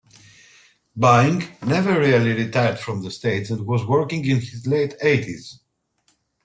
Byng never really retired from the stage and was working in his late eighties.